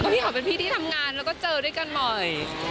พี่อ๋อมเป็นพี่ที่ทำงานแล้วก็เจอด้วยกันบ่อย